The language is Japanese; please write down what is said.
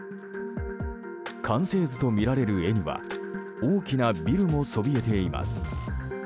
完成図とみられる絵には大きなビルもそびえています。